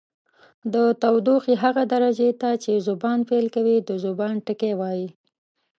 د تودوخې هغه درجې ته چې ذوبان پیل کوي د ذوبان ټکی وايي.